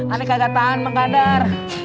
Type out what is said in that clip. aneh kagak tahan mengandar